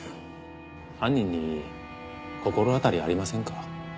犯人に心当たりありませんか？